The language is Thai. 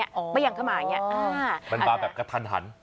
ยังไงคะ